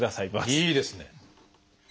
いいですね。